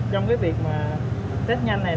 trong cái việc mà test nhanh này